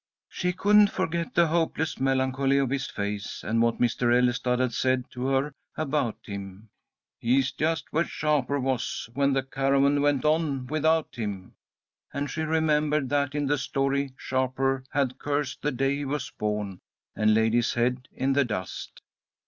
She couldn't forget the hopeless melancholy of his face, and what Mr. Ellestad had said to her about him: "He's just where Shapur was when the caravan went on without him." And she remembered that in the story Shapur had cursed the day he was born, and laid his head in the dust.